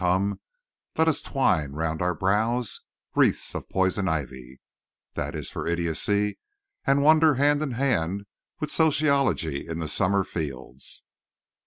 Come, let us twine round our brows wreaths of poison ivy (that is for idiocy), and wander hand in hand with sociology in the summer fields.